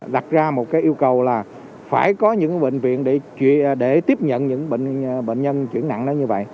đặt ra một cái yêu cầu là phải có những bệnh viện để tiếp nhận những bệnh nhân chuyển nặng nó như vậy